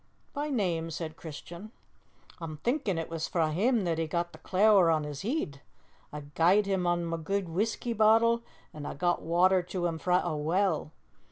"By name," said Christian. "A'm thinkin' it was frae him that he got the clour on 's heed. A' gie'd him ma guid whisky bottle, an' a' got water to him frae a well.